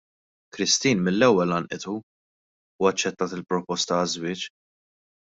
Christine mill-ewwel għannqitu, u aċċettat il-proposta għaż-żwieġ.